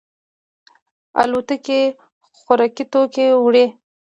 الوتکې خوراکي توکي وړي.